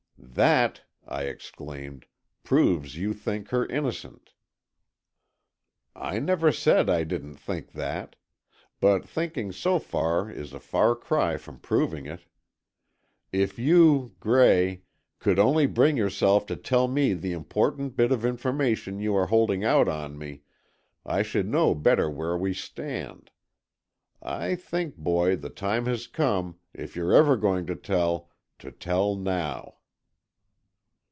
"That," I exclaimed, "proves you think her innocent." "I never said I didn't think that. But thinking so is a far cry from proving it. If you, Gray, could only bring yourself to tell me the important bit of information you are holding out on me, I should know better where we stand. I think, boy, the time has come—if you're ever going to tell—to tell now."